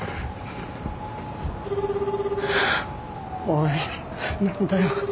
☎おい何だよ。